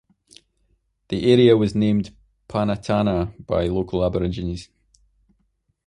The area was named Panatana by local Aborigines.